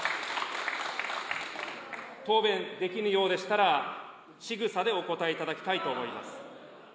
答弁できぬようでしたら、しぐさでお答えいただきたいと思います。